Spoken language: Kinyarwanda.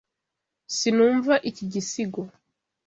Sinumva iki gisigo.